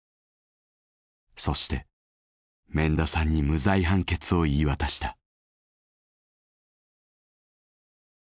そして免田さんに無罪判決を言い渡した。